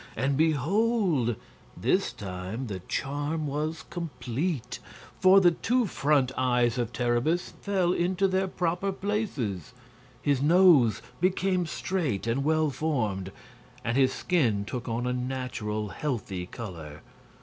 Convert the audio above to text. And behold! this time the charm was complete. For the two front eyes of Terribus fell into their proper places, his nose became straight and well formed, and his skin took on a natural, healthy color.